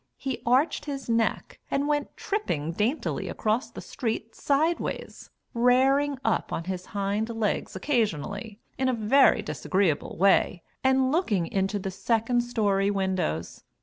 He arched his neck and went tripping daintily across the street sideways, "rairing up" on his hind legs occasionally, in a very disagreeable way, and looking into the second story windows.